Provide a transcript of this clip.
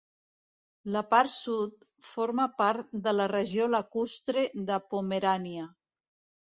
La part sud forma part de la regió lacustre de Pomerània.